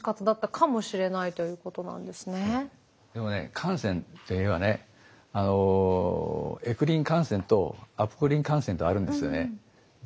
でもね汗腺っていうのはねエクリン汗腺とアポクリン汗腺とあるんですよね。